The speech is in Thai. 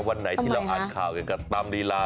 วันไหนที่เราอ่านข่าวเกี่ยวกับตำลีลา